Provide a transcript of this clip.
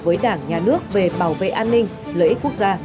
với đảng nhà nước về bảo vệ an ninh lợi ích quốc gia